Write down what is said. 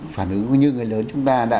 phản ứng như người lớn chúng ta đã